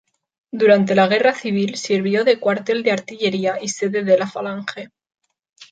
Durante la Guerra Civil sirvió de cuartel de artillería y sede de la Falange.